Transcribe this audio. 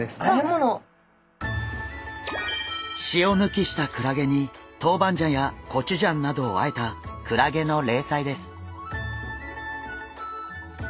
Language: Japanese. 塩抜きしたクラゲにトウバンジャンやコチュジャンなどをあえたクラゲの冷菜です。